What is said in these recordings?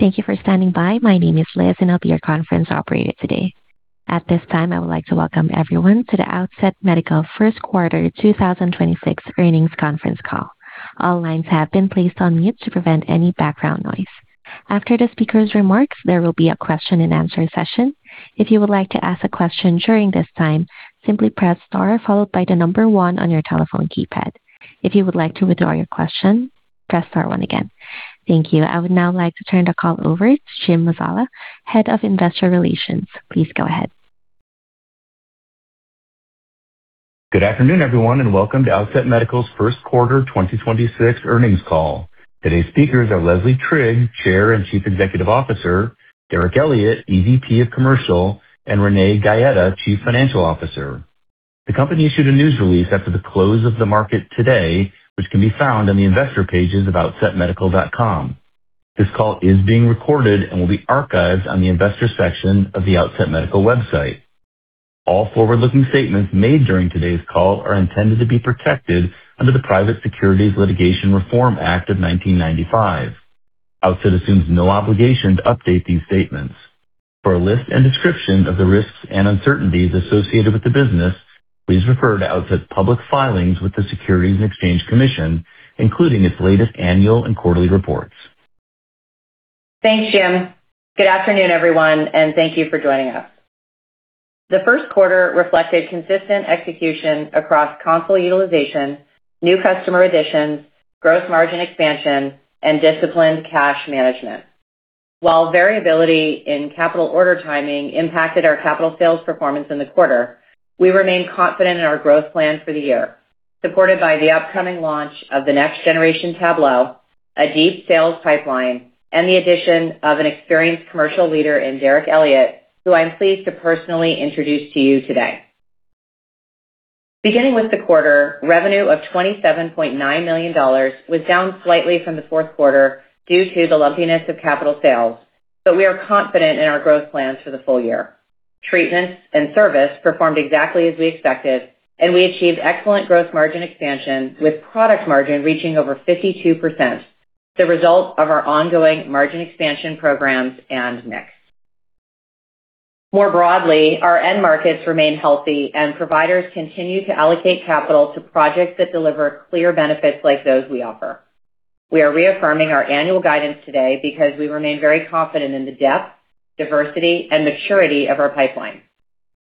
Thank you for standing by. My name is Liz, and I'll be your conference operator today. At this time, I would like to welcome everyone to the Outset Medical First Quarter 2026 Earnings Conference Call. All lines have been placed on mute to prevent any background noise. After the speaker's remarks, there will be a question-and-answer session. If you would like to ask a question during this time, simply press star followed by the number one on your telephone keypad. If you would like to withdraw your question, press star one again. Thank you. I would now like to turn the call over to Jim Mazzola, Head of Investor Relations. Please go ahead. Good afternoon, everyone, welcome to Outset Medical's first quarter 2026 earnings call. Today's speakers are Leslie Trigg, Chair and Chief Executive Officer, Derick Elliott, EVP of Commercial, and Renee Gaeta, Chief Financial Officer. The company issued a news release after the close of the market today, which can be found on the investor pages of outsetmedical.com. This call is being recorded and will be archived on the investor section of the Outset Medical website. All forward-looking statements made during today's call are intended to be protected under the Private Securities Litigation Reform Act of 1995. Outset assumes no obligation to update these statements. For a list and description of the risks and uncertainties associated with the business, please refer to Outset's public filings with the Securities and Exchange Commission, including its latest annual and quarterly reports. Thanks, Jim. Good afternoon, everyone, and thank you for joining us. The first quarter reflected consistent execution across console utilization, new customer additions, gross margin expansion, and disciplined cash management. While variability in capital order timing impacted our capital sales performance in the quarter, we remain confident in our growth plan for the year, supported by the upcoming launch of the next-generation Tablo, a deep sales pipeline, and the addition of an experienced commercial leader in Derick Elliott, who I'm pleased to personally introduce to you today. Beginning with the quarter, revenue of $27.9 million was down slightly from the fourth quarter due to the lumpiness of capital sales. We are confident in our growth plans for the full year. Treatment and service performed exactly as we expected, and we achieved excellent gross margin expansion, with product margin reaching over 52%, the result of our ongoing margin expansion programs and mix. More broadly, our end markets remain healthy, and providers continue to allocate capital to projects that deliver clear benefits like those we offer. We are reaffirming our annual guidance today because we remain very confident in the depth, diversity, and maturity of our pipeline.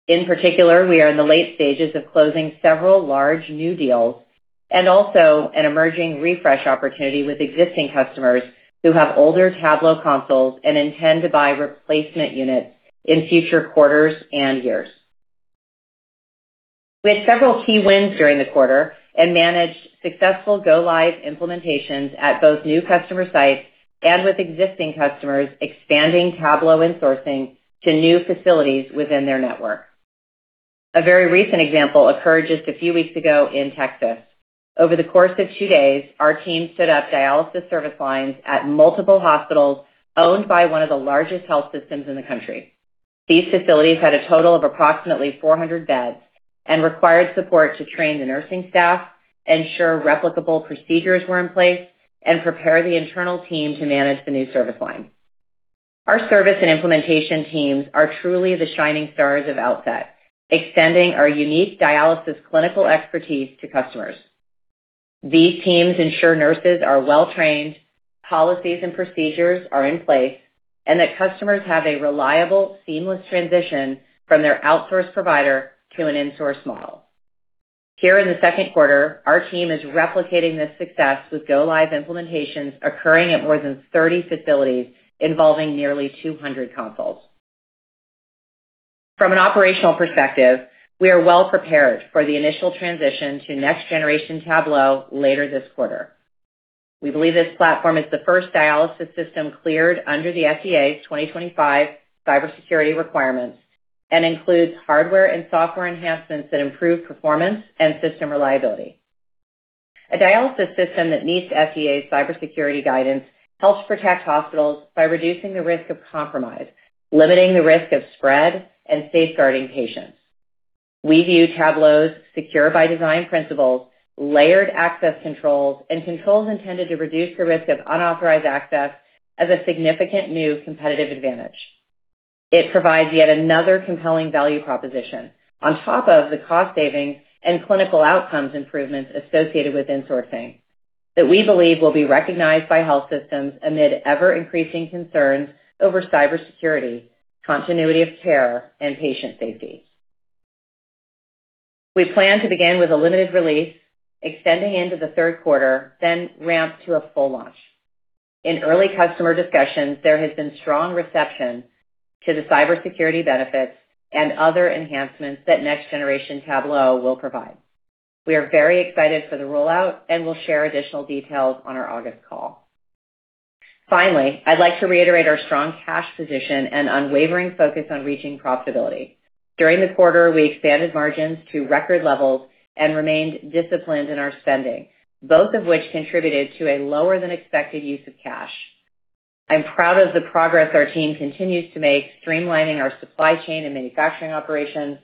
In particular, we are in the late stages of closing several large new deals and also an emerging refresh opportunity with existing customers who have older Tablo consoles and intend to buy replacement units in future quarters and years. We had several key wins during the quarter and managed successful go-live implementations at both new customer sites and with existing customers expanding Tablo insourcing to new facilities within their network. A very recent example occurred just a few weeks ago in Texas. Over the course of two days, our team set up dialysis service lines at multiple hospitals owned by one of the largest health systems in the country. These facilities had a total of approximately 400 beds and required support to train the nursing staff, ensure replicable procedures were in place, and prepare the internal team to manage the new service line. Our service and implementation teams are truly the shining stars of Outset, extending our unique dialysis clinical expertise to customers. These teams ensure nurses are well-trained, policies and procedures are in place, and that customers have a reliable, seamless transition from their outsourced provider to an insourced model. Here in the second quarter, our team is replicating this success with go-live implementations occurring at more than 30 facilities involving nearly 200 consoles. From an operational perspective, we are well prepared for the initial transition to next-generation Tablo later this quarter. We believe this platform is the first dialysis system cleared under the FDA's 2025 cybersecurity requirements and includes hardware and software enhancements that improve performance and system reliability. A dialysis system that meets FDA's cybersecurity guidance helps protect hospitals by reducing the risk of compromise, limiting the risk of spread, and safeguarding patients. We view Tablo's secure-by-design principles, layered access controls, and controls intended to reduce the risk of unauthorized access as a significant new competitive advantage. It provides yet another compelling value proposition on top of the cost savings and clinical outcomes improvements associated with insourcing that we believe will be recognized by health systems amid ever-increasing concerns over cybersecurity, continuity of care, and patient safety. We plan to begin with a limited release extending into the third quarter, then ramp to a full launch. In early customer discussions, there has been strong reception to the cybersecurity benefits and other enhancements that next-generation Tablo will provide. We are very excited for the rollout and will share additional details on our August call. Finally, I'd like to reiterate our strong cash position and unwavering focus on reaching profitability. During the quarter, we expanded margins to record levels and remained disciplined in our spending, both of which contributed to a lower-than-expected use of cash. I'm proud of the progress our team continues to make, streamlining our supply chain and manufacturing operations.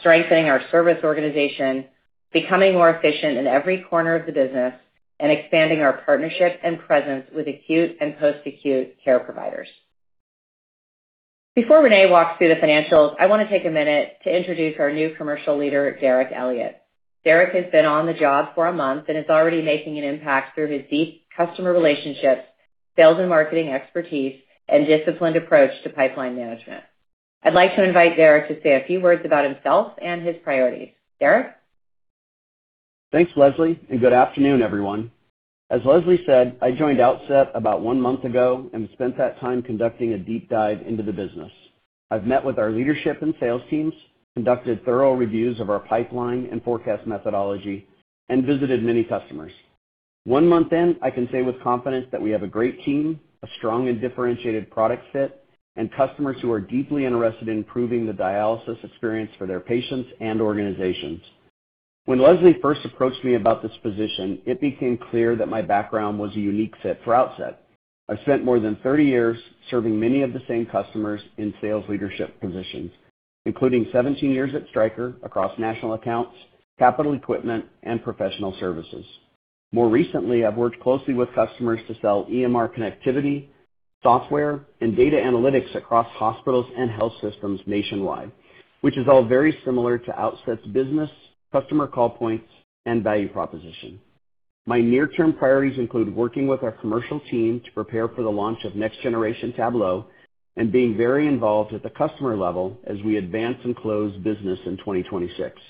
Strengthening our service organization, becoming more efficient in every corner of the business, and expanding our partnership and presence with acute and post-acute care providers. Before Renee walks through the financials, I want to take a minute to introduce our new commercial leader, Derick Elliott. Derick has been on the job for a month and is already making an impact through his deep customer relationships, sales and marketing expertise, and disciplined approach to pipeline management. I'd like to invite Derick to say a few words about himself and his priorities. Derick? Thanks, Leslie. Good afternoon, everyone. As Leslie said, I joined Outset about one month ago and spent that time conducting a deep dive into the business. I've met with our leadership and sales teams, conducted thorough reviews of our pipeline and forecast methodology, and visited many customers. One month in, I can say with confidence that we have a great team, a strong and differentiated product fit, and customers who are deeply interested in improving the dialysis experience for their patients and organizations. When Leslie first approached me about this position, it became clear that my background was a unique fit for Outset. I've spent more than 30 years serving many of the same customers in sales leadership positions, including 17 years at Stryker across national accounts, capital equipment, and professional services. More recently, I've worked closely with customers to sell EMR connectivity, software, and data analytics across hospitals and health systems nationwide, which is all very similar to Outset's business, customer call points, and value proposition. My near-term priorities include working with our commercial team to prepare for the launch of next-generation Tablo and being very involved at the customer level as we advance and close business in 2026.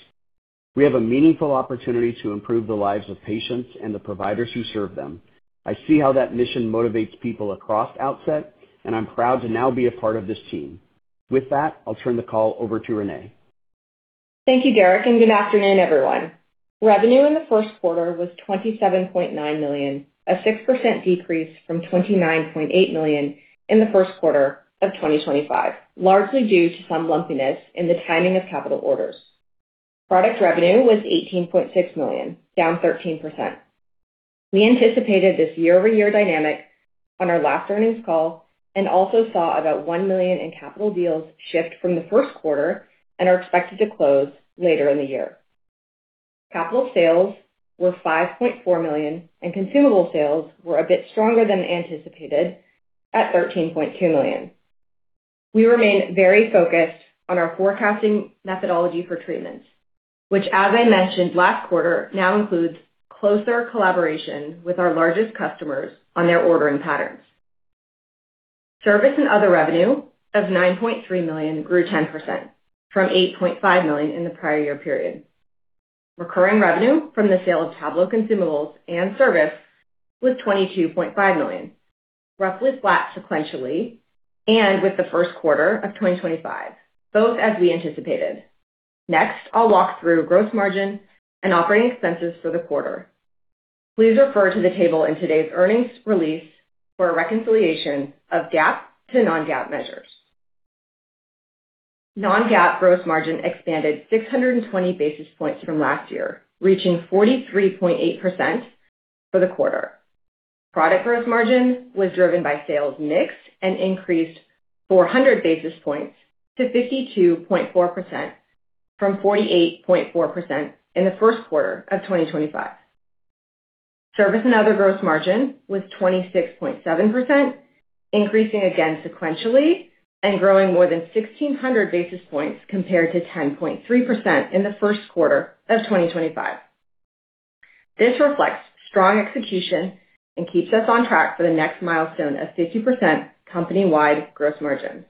We have a meaningful opportunity to improve the lives of patients and the providers who serve them. I see how that mission motivates people across Outset, and I'm proud to now be a part of this team. With that, I'll turn the call over to Renee. Thank you, Derick, and good afternoon, everyone. Revenue in the first quarter was $27.9 million, a 6% decrease from $29.8 million in the first quarter of 2025, largely due to some lumpiness in the timing of capital orders. Product revenue was $18.6 million, down 13%. We anticipated this year-over-year dynamic on our last earnings call and also saw about $1 million in capital deals shift from the first quarter and are expected to close later in the year. Capital sales were $5.4 million, and consumable sales were a bit stronger than anticipated at $13.2 million. We remain very focused on our forecasting methodology for treatments, which as I mentioned last quarter, now includes closer collaboration with our largest customers on their ordering patterns. Service and other revenue of $9.3 million grew 10% from $8.5 million in the prior year period. Recurring revenue from the sale of Tablo consumables and service was $22.5 million, roughly flat sequentially and with the first quarter of 2025, both as we anticipated. I'll walk through gross margin and operating expenses for the quarter. Please refer to the table in today's earnings release for a reconciliation of GAAP to non-GAAP measures. Non-GAAP gross margin expanded 620 basis points from last year, reaching 43.8% for the quarter. Product gross margin was driven by sales mix and increased 400 basis points to 52.4% from 48.4% in the first quarter of 2025. Service and other gross margin was 26.7%, increasing again sequentially and growing more than 1,600 basis points compared to 10.3% in the first quarter of 2025. This reflects strong execution and keeps us on track for the next milestone of 50% company-wide gross margin.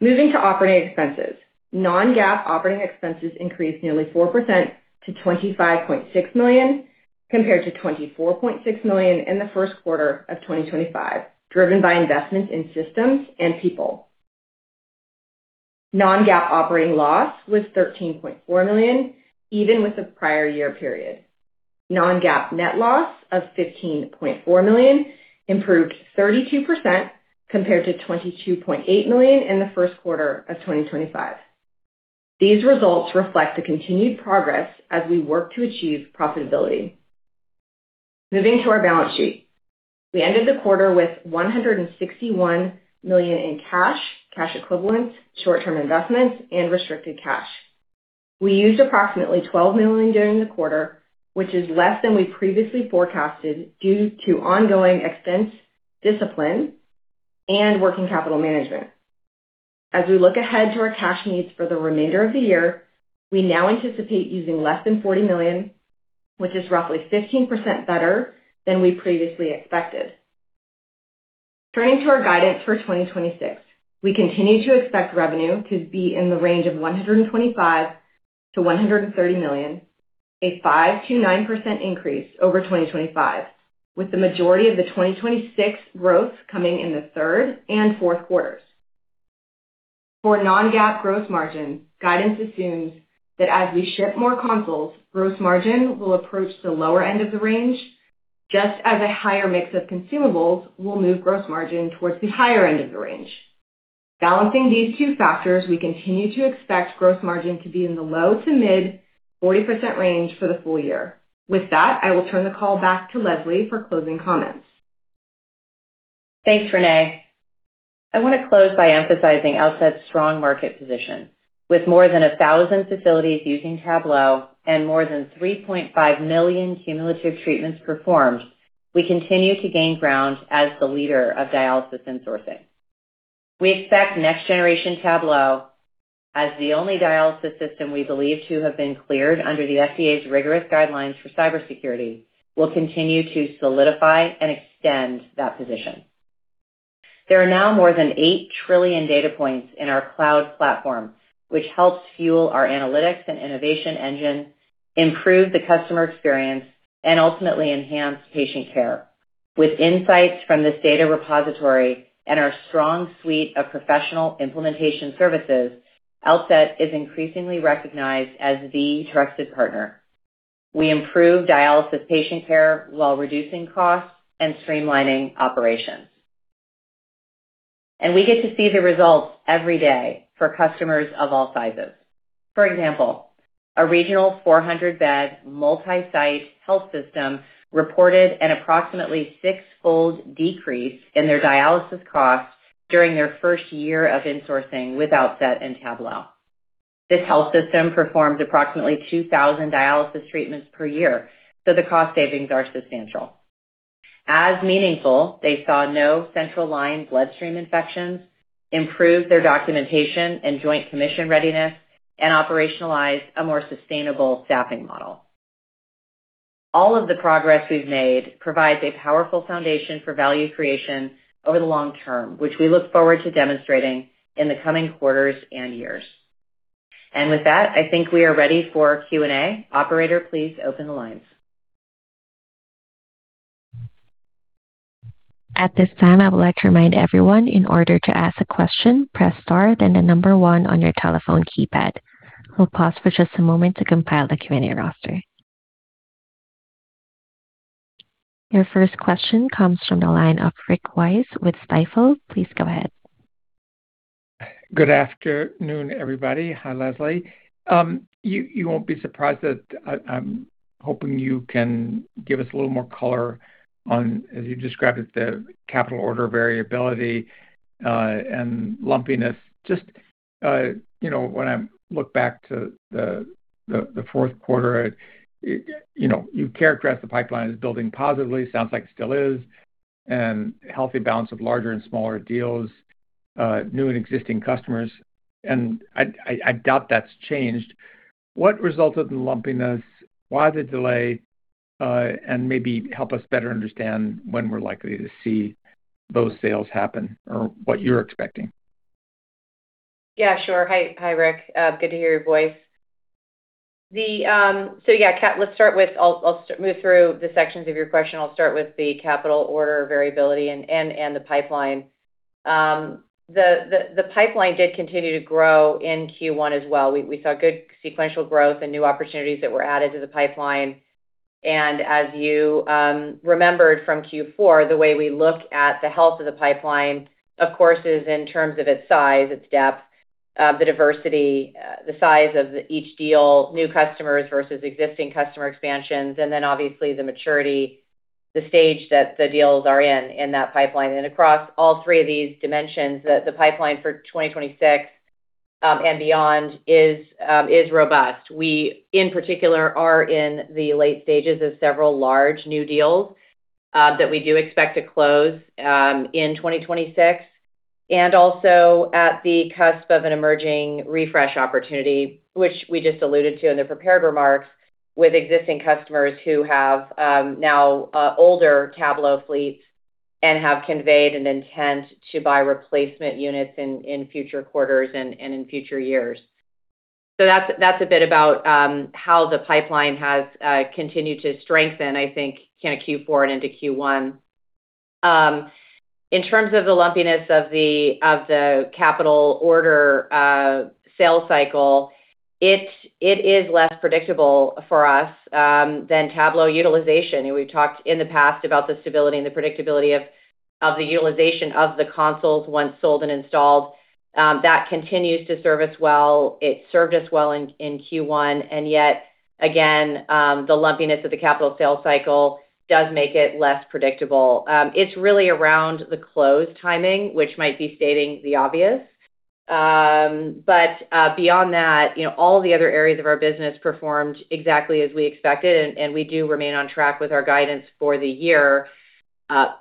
Moving to operating expenses. Non-GAAP operating expenses increased nearly 4% to $25.6 million, compared to $24.6 million in the first quarter of 2025, driven by investments in systems and people. Non-GAAP operating loss was $13.4 million, even with the prior year period. Non-GAAP net loss of $15.4 million improved 32% compared to $22.8 million in the first quarter of 2025. These results reflect the continued progress as we work to achieve profitability. Moving to our balance sheet. We ended the quarter with $161 million in cash equivalents, short-term investments, and restricted cash. We used approximately $12 million during the quarter, which is less than we previously forecasted due to ongoing expense discipline and working capital management. As we look ahead to our cash needs for the remainder of the year, we now anticipate using less than $40 million, which is roughly 15% better than we previously expected. Turning to our guidance for 2026. We continue to expect revenue to be in the range of $125 million-$130 million, a 5%-9% increase over 2025, with the majority of the 2026 growth coming in the third and fourth quarters. For non-GAAP gross margin, guidance assumes that as we ship more consoles, gross margin will approach the lower end of the range, just as a higher mix of consumables will move gross margin towards the higher end of the range. Balancing these two factors, we continue to expect gross margin to be in the low to mid 40% range for the full year. With that, I will turn the call back to Leslie for closing comments. Thanks, Renee. I wanna close by emphasizing Outset's strong market position. With more than 1,000 facilities using Tablo and more than 3.5 million cumulative treatments performed, we continue to gain ground as the leader of dialysis insourcing. We expect next-generation Tablo as the only dialysis system we believe to have been cleared under the FDA's rigorous guidelines for cybersecurity, will continue to solidify and extend that position. There are now more than 8 trillion data points in our cloud platform, which helps fuel our analytics and innovation engine, improve the customer experience, and ultimately enhance patient care. With insights from this data repository and our strong suite of professional implementation services, Outset is increasingly recognized as the trusted partner. We improve dialysis patient care while reducing costs and streamlining operations. We get to see the results every day for customers of all sizes. For example, a regional 400-bed multi-site health system reported an approximately six-fold decrease in their dialysis costs during their first year of insourcing with Outset Medical and Tablo. This health system performed approximately 2,000 dialysis treatments per year, the cost savings are substantial. As meaningful, they saw no central line-associated bloodstream infections, improved their documentation and Joint Commission readiness, and operationalized a more sustainable staffing model. All of the progress we've made provides a powerful foundation for value creation over the long term, which we look forward to demonstrating in the coming quarters and years. With that, I think we are ready for Q&A. Operator, please open the lines. At this time, I would like to remind everyone in order to ask a question, press star then the number one on your telephone keypad. We'll pause for just a moment to compile the Q&A roster. Your first question comes from the line of Rick Wise with Stifel. Please go ahead. Good afternoon, everybody. Hi, Leslie. You won't be surprised that I'm hoping you can give us a little more color on, as you described it, the capital order variability and lumpiness. Just, you know, when I look back to the fourth quarter, you know, you characterized the pipeline as building positively. Sounds like it still is, and healthy balance of larger and smaller deals, new and existing customers, and I doubt that's changed. What resulted in the lumpiness? Why the delay? Maybe help us better understand when we're likely to see those sales happen or what you're expecting. Yeah, sure. Hi, Rick. Good to hear your voice. Yeah, let's start with I'll start move through the sections of your question. I'll start with the capital order variability and the pipeline. The pipeline did continue to grow in Q1 as well. We saw good sequential growth and new opportunities that were added to the pipeline. As you remembered from Q4, the way we look at the health of the pipeline, of course, is in terms of its size, its depth, the diversity, the size of each deal, new customers versus existing customer expansions, and then obviously the maturity, the stage that the deals are in that pipeline. Across all three of these dimensions, the pipeline for 2026 and beyond is robust. We, in particular, are in the late stages of several large new deals that we do expect to close in 2026, and also at the cusp of an emerging refresh opportunity, which we just alluded to in the prepared remarks, with existing customers who have now older Tablo fleets and have conveyed an intent to buy replacement units in future quarters and in future years. That's a bit about how the pipeline has continued to strengthen, I think, kinda Q4 and into Q1. In terms of the lumpiness of the capital order sales cycle, it is less predictable for us than Tablo utilization. We've talked in the past about the stability and the predictability of the utilization of the consoles once sold and installed. That continues to serve us well. It served us well in Q1, yet again, the lumpiness of the capital sales cycle does make it less predictable. It's really around the close timing, which might be stating the obvious. Beyond that, you know, all the other areas of our business performed exactly as we expected, we do remain on track with our guidance for the year,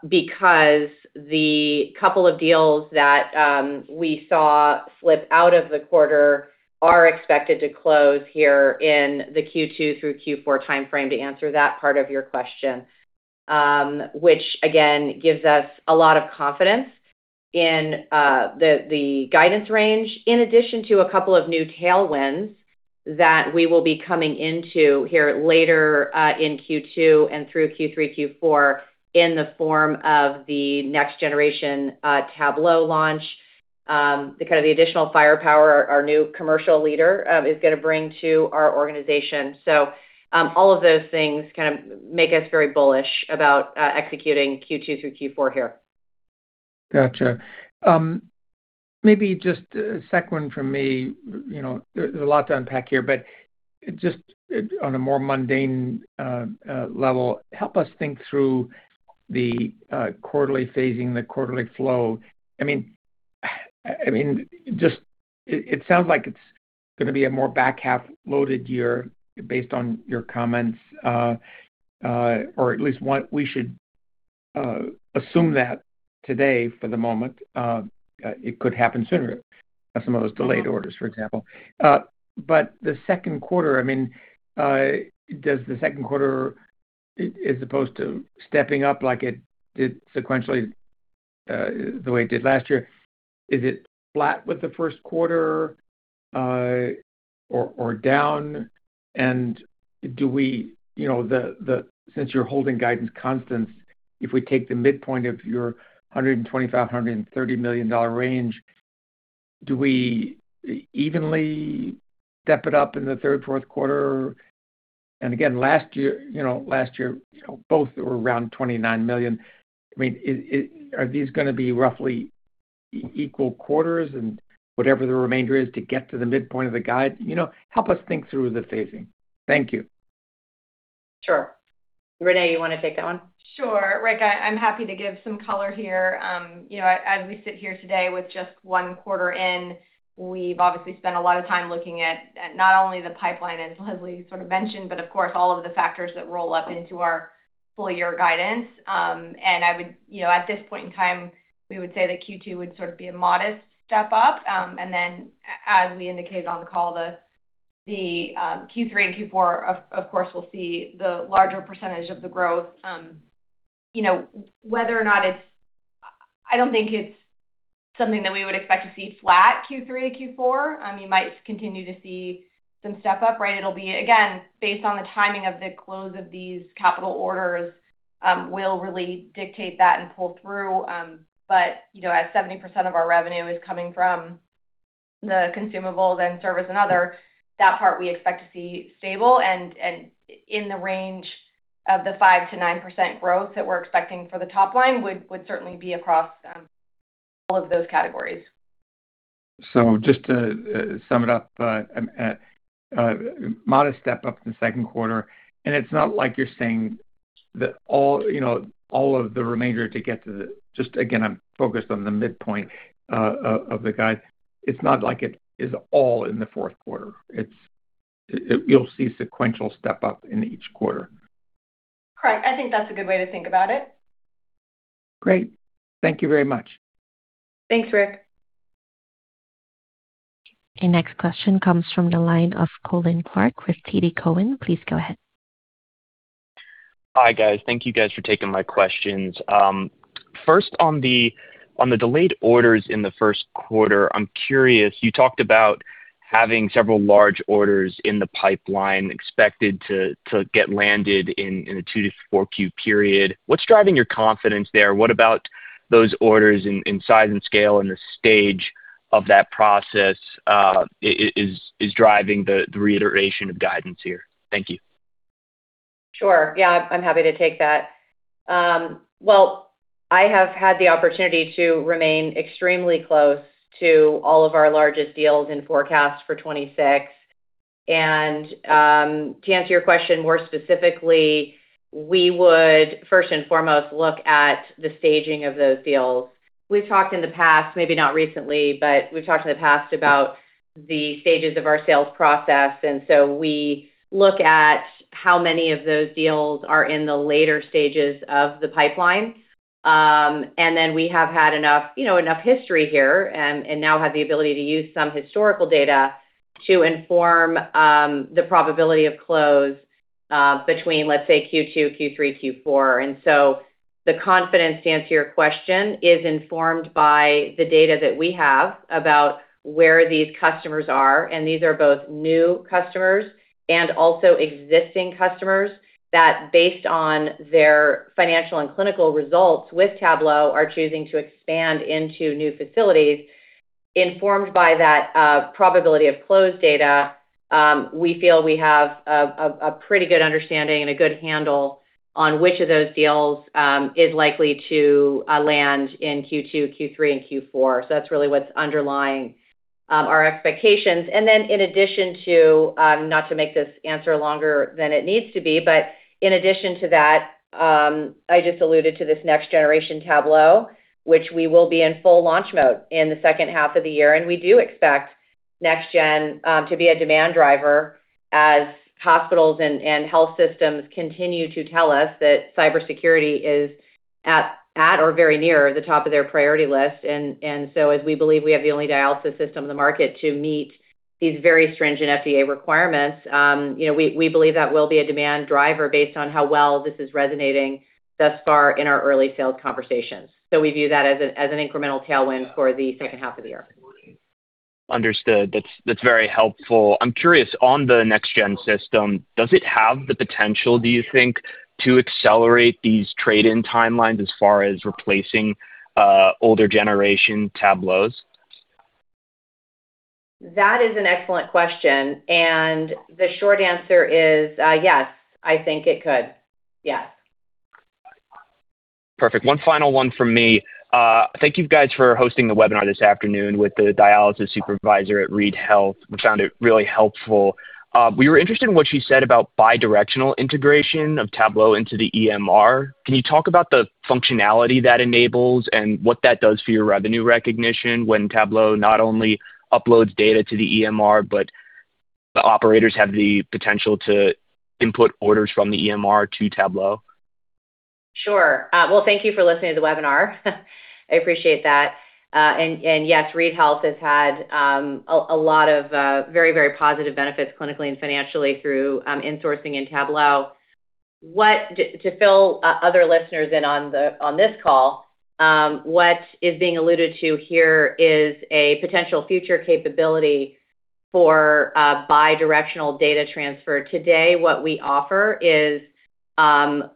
because the couple of deals that we saw slip out of the quarter are expected to close here in the Q2 through Q4 timeframe, to answer that part of your question. Which again, gives us a lot of confidence in the guidance range, in addition to a couple of new tailwinds that we will be coming into here later, in Q2 and through Q3, Q4 in the form of the next-generation, Tablo launch. The kind of the additional firepower our new commercial leader, is gonna bring to our organization. All of those things kind of make us very bullish about executing Q2 through Q4 here. Gotcha. Maybe just a second one from me. You know, there's a lot to unpack here, but just on a more mundane level, help us think through the quarterly phasing, the quarterly flow. I mean, it sounds like it's gonna be a more back-half-loaded year based on your comments, or at least what we should assume that today for the moment, it could happen sooner as some of those delayed orders, for example. The second quarter, I mean, does the second quarter, as opposed to stepping up like it did sequentially, the way it did last year, is it flat with the first quarter, or down? Do we, you know, since you're holding guidance constants, if we take the midpoint of your $125 million-$130 million range, do we evenly step it up in the third, fourth quarter? Again, last year, you know, both were around $29 million. I mean, are these gonna be roughly equal quarters and whatever the remainder is to get to the midpoint of the guide? You know, help us think through the phasing. Thank you. Sure. Renee, you wanna take that one? Sure. Rick, I'm happy to give some color here. You know, as we sit here today with just one quarter in, we've obviously spent a lot of time looking at not only the pipeline, as Leslie sort of mentioned, but of course, all of the factors that roll up into our full-year guidance. I would-- You know, at this point in time, we would say that Q2 would sort of be a modest step-up. Then as we indicated on the call, the Q3 and Q4 of course, will see the larger percentage of the growth. You know, whether or not it's I don't think it's something that we would expect to see flat Q3 to Q4. You might continue to see some step-up, right? It'll be, again, based on the timing of the close of these capital orders, will really dictate that and pull through. You know, as 70% of our revenue is coming from the consumables and service and other, that part we expect to see stable and in the range of the 5%-9% growth that we're expecting for the top line would certainly be across all of those categories. Just to sum it up, modest step-up in the second quarter. It's not like you're saying that all, you know, all of the remainder to get, just again, I'm focused on the midpoint of the guide. It's not like it is all in the fourth quarter. You'll see sequential step-up in each quarter. Correct. I think that's a good way to think about it. Great. Thank you very much. Thanks, Rick. The next question comes from the line of Colin Clark with TD Cowen. Please go ahead. Hi, guys. Thank you guys for taking my questions. First, on the delayed orders in the first quarter, I'm curious, you talked about having several large orders in the pipeline expected to get landed in a 2Q to 4Q period. What's driving your confidence there? What about those orders in size and scale and the stage of that process, is driving the reiteration of guidance here? Thank you. Sure. Yeah. I'm happy to take that. Well, I have had the opportunity to remain extremely close to all of our largest deals and forecasts for 2026. To answer your question more specifically, we would first and foremost look at the staging of those deals. We've talked in the past, maybe not recently, but we've talked in the past about the stages of our sales process. We look at how many of those deals are in the later stages of the pipeline. We have had enough, you know, enough history here and now have the ability to use some historical data to inform the probability of close between, let's say, Q2, Q3, Q4. The confidence, to answer your question, is informed by the data that we have about where these customers are, and these are both new customers and also existing customers that based on their financial and clinical results with Tablo, are choosing to expand into new facilities. Informed by that probability of close data, we feel we have a pretty good understanding and a good handle on which of those deals is likely to land in Q2, Q3, and Q4. That's really what's underlying our expectations. In addition to, not to make this answer longer than it needs to be, but in addition to that, I just alluded to this next-generation Tablo, which we will be in full launch mode in the second half of the year. We do expect next-gen to be a demand driver as hospitals and health systems continue to tell us that cybersecurity is at or very near the top of their priority list. As we believe we have the only dialysis system in the market to meet these very stringent FDA requirements, you know, we believe that will be a demand driver based on how well this is resonating thus far in our early sales conversations. We view that as an incremental tailwind for the second half of the year. Understood. That's very helpful. I'm curious on the next-gen system, does it have the potential, do you think, to accelerate these trade-in timelines as far as replacing older generation Tablos? That is an excellent question, and the short answer is, yes, I think it could. Yes. Perfect. One final one from me. Thank you guys for hosting the webinar this afternoon with the dialysis supervisor at Reid Health. We found it really helpful. We were interested in what she said about bidirectional integration of Tablo into the EMR. Can you talk about the functionality that enables and what that does for your revenue recognition when Tablo not only uploads data to the EMR, but the operators have the potential to input orders from the EMR to Tablo? Sure. Well, thank you for listening to the webinar. I appreciate that. Yes, Reid Health has had a lot of very, very positive benefits clinically and financially through insourcing in Tablo. To fill other listeners in on this call, what is being alluded to here is a potential future capability for a bidirectional data transfer. Today, what we offer is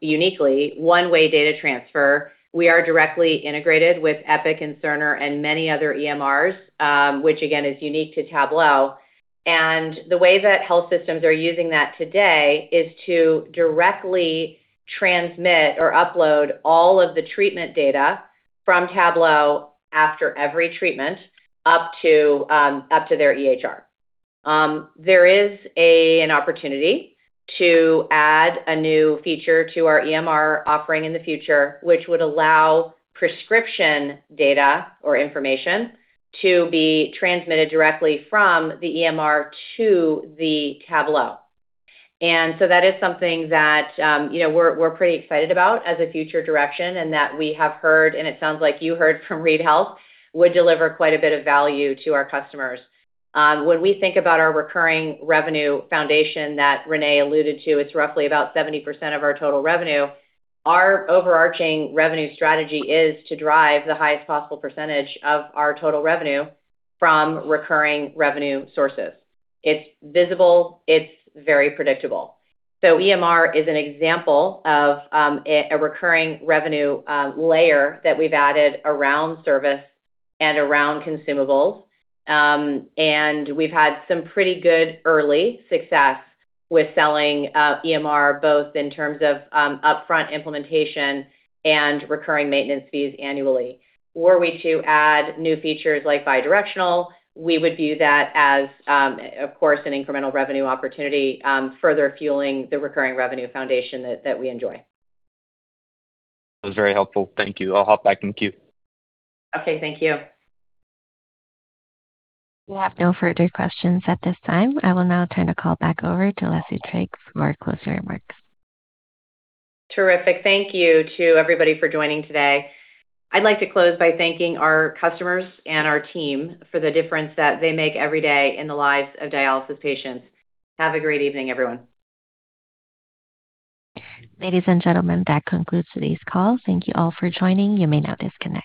uniquely one-way data transfer. We are directly integrated with Epic and Cerner and many other EMRs, which again, is unique to Tablo. The way that health systems are using that today is to directly transmit or upload all of the treatment data from Tablo after every treatment up to their EHR. There is an opportunity to add a new feature to our EMR offering in the future, which would allow prescription data or information to be transmitted directly from the EMR to the Tablo. That is something that, you know, we're pretty excited about as a future direction and that we have heard, and it sounds like you heard from Reid Health, would deliver quite a bit of value to our customers. When we think about our recurring revenue foundation that Renee alluded to, it's roughly about 70% of our total revenue. Our overarching revenue strategy is to drive the highest possible percentage of our total revenue from recurring revenue sources. It's visible, it's very predictable. EMR is an example of a recurring revenue layer that we've added around service and around consumables. We've had some pretty good early success with selling EMR, both in terms of upfront implementation and recurring maintenance fees annually. Were we to add new features like bidirectional, we would view that as, of course, an incremental revenue opportunity, further fueling the recurring revenue foundation that we enjoy. That was very helpful. Thank you. I'll hop back in queue. Okay, thank you. We have no further questions at this time. I will now turn the call back over to Leslie Trigg for our closing remarks. Terrific. Thank you to everybody for joining today. I'd like to close by thanking our customers and our team for the difference that they make every day in the lives of dialysis patients. Have a great evening, everyone. Ladies and gentlemen, that concludes today's call. Thank you all for joining. You may now disconnect.